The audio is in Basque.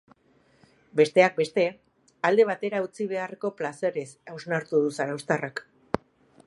Besteak beste, alde batera utzi beharreko plazerez hausnartu du zarauztarrak.